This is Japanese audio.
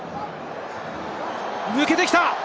抜けてきた！